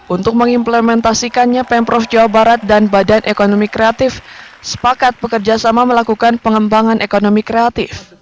untuk mengimplementasikannya pemprov jawa barat dan badan ekonomi kreatif sepakat bekerjasama melakukan pengembangan ekonomi kreatif